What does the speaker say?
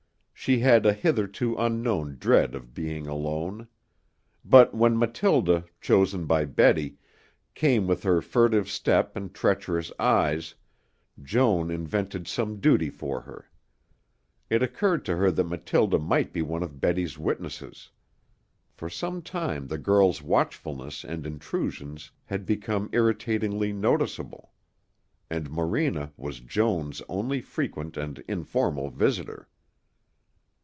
She had a hitherto unknown dread of being alone. But when Mathilde, chosen by Betty, came with her furtive step and treacherous eyes, Joan invented some duty for her. It occurred to her that Mathilde might be one of Betty's witnesses. For some time the girl's watchfulness and intrusions had become irritatingly noticeable. And Morena was Joan's only frequent and informal visitor.